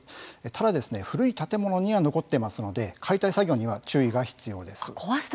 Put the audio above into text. ただ古い建物には残ってますので解体作業には注意が必要です。